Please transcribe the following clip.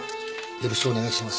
よろしくお願いします。